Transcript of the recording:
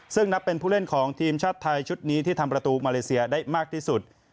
ซึ่งนับเป็นผู้เล่นของทีมชาติไทยชุดนี้ที่ทำประตูมาเลเซียได้มากที่สุด